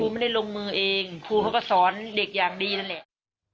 ไม่ได้ลงมือเองครูเขาก็สอนเด็กอย่างดีนั่นแหละ